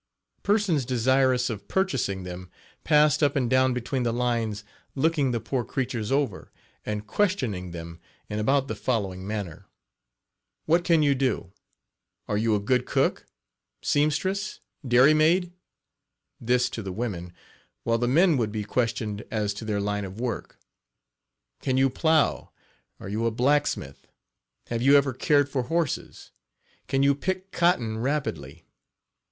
Persons desirous of purchasing them passed up and down between the lines looking the poor creatures over, and questioning them in about the following manner: "What can you do?" "Are you a good cook? seamstress? dairymaid?" this to the women, while the men would be questioned as to their line of work: "Can you plow? Are you a blacksmith? Have you ever cared for horses? Can Page 8 you pick cotton rapidly?"